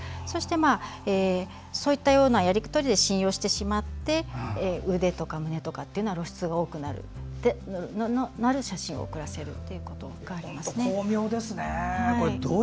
そして、そういったやり取りで信用してしまって腕とか胸とか、露出が多くなる写真を送らせるということが巧妙ですね。